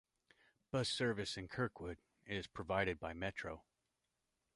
Bus service in Kirkwood is provided by Metro.